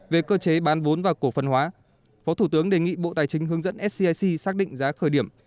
về cơ chế bán vốn và cổ phần hóa phó thủ tướng đề nghị bộ tài chính hướng dẫn scic xác định giá khởi điểm